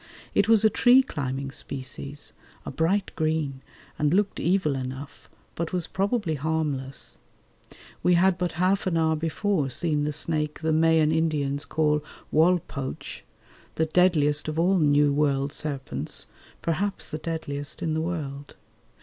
It was a tree climbing species, a bright green, and looked evil enough, but was probably harmless. We had but half an hour before seen the snake the Mayan Indians call uolpoch (pronounced wolpoach), the deadliest of all New World serpents, perhaps the deadliest in the world.